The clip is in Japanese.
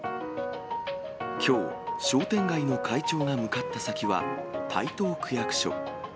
きょう、商店街の会長が向かった先は、台東区役所。